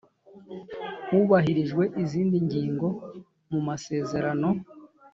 hubahirijwe izindi ngingo mu masezerano